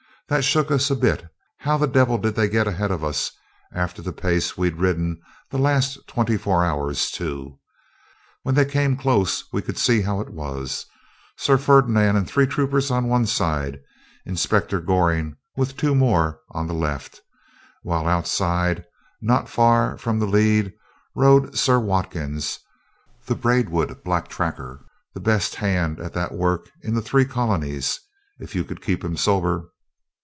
That shook us a bit. How the devil did they get ahead of us after the pace we'd ridden the last twenty four hours, too? When they came close we could see how it was, Sir Ferdinand and three troopers on one side; Inspector Goring, with two more, on the left; while outside, not far from the lead, rode Sir Watkin, the Braidwood black tracker the best hand at that work in the three colonies, if you could keep him sober.